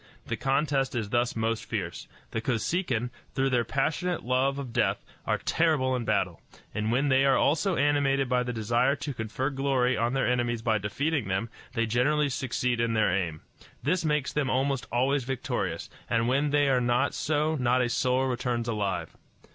The contest is thus most fierce. The Kosekin, through their passionate love of death, are terrible in battle; and when they are also animated by the desire to confer glory on their enemies by defeating them, they generally succeed in their aim. This makes them almost always victorious, and when they are not so not a soul returns alive.